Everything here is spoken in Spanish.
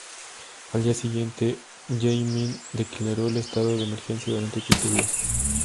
Al día siguiente, Yameen declaró el estado de emergencia durante quince días.